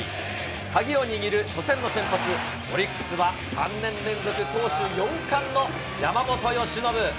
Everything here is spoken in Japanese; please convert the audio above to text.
鍵を握る初戦の先発、オリックスは３年連続投手４冠の山本由伸。